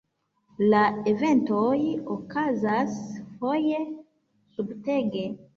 La eventoj okazas foje subitege.